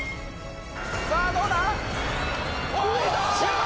さあどうだ？